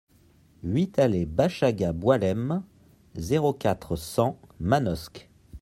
huit allée Bachagha Boualem, zéro quatre, cent Manosque